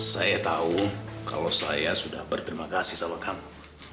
saya tahu kalau saya sudah berterima kasih sama kamu